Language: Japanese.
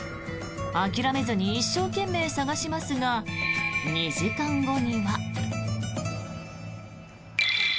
諦めずに一生懸命探しますが２時間後には。